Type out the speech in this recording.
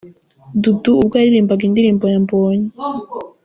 Dudu ubwo yaririmbaga indirimbo ya Mbonyi.